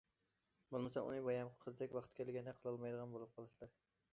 بولمىسا ئۇنى بايامقى قىزدەك، ۋاقتى كەلگەندە قىلالمايدىغان بولۇپ قالىسىلەر.